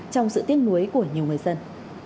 trong sự tiếc nuối của nhiều người dân